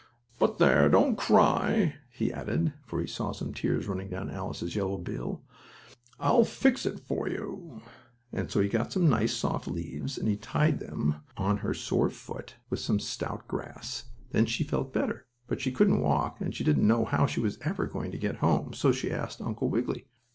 But there, don't cry," he added, for he saw some tears running down Alice's yellow bill. "I'll fix it for you." So he got some nice, soft leaves, and he tied them on her sore foot with some stout grass. Then she felt better, but she couldn't walk, and she didn't know how she was ever going to get home. So she asked Uncle Wiggily.